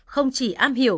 không chỉ am hiểu